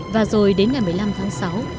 và rồi đến ngày một mươi năm tháng sáu